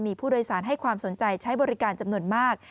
มีผู้โดยสารให้ความสนใจใช้บริการจำนวนมาก